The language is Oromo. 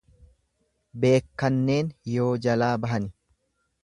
Beekkanneen yoo jalaa bahani.